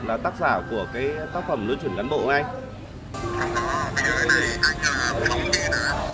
là tác giả của tác phẩm lưu truyền cán bộ của anh